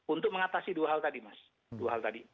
untuk mengatasi dua hal tadi mas dua hal tadi